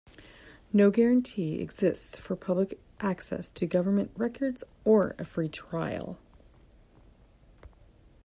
No guarantee exists for public access to government records or a free trial.